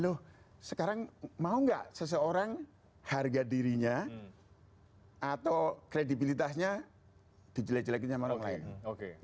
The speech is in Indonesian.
loh sekarang mau nggak seseorang harga dirinya atau kredibilitasnya dijelek jelekin sama orang lain